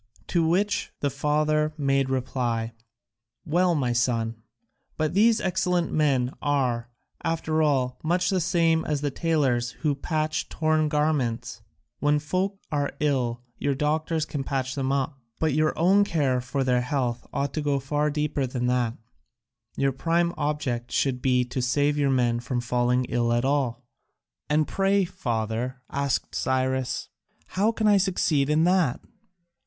To which the father made reply, "Well, my son, but these excellent men are, after all, much the same as the tailors who patch torn garments. When folk are ill, your doctors can patch them up, but your own care for their health ought to go far deeper than that: your prime object should be to save your men from falling ill at all." "And pray, father," asked Cyrus, "how can I succeed in that?"